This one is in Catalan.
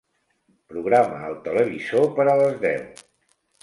Programa el televisor per a les deu.